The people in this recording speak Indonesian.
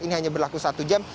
ini hanya berlaku satu jam